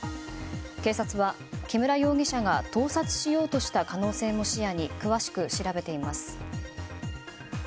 警察は、木村容疑者が盗撮しようとした可能性も視野に詳しく調べています。